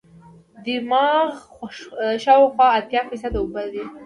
دماغ شاوخوا اتیا فیصده اوبه دي.